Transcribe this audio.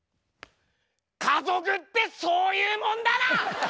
家族ってそういうもんだな！